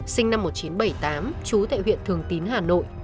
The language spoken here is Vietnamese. sinh năm một nghìn chín trăm bảy mươi tám trú tại huyện thường tín hà nội